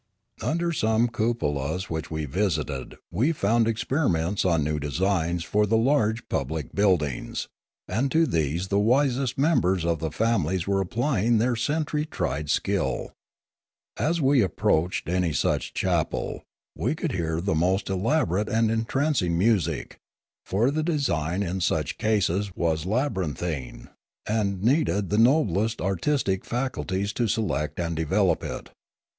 Under some cupolas which we visited we found ex periments on new designs for the large public buildings, and to these the wisest members of the families were applying their century tried skill. As we approached any such chapel, we could hear the most elaborate and Oolorefa 169 entrancing music, for the design in such cases was labyrinthine, and needed the noblest artistic faculties to select and develop it.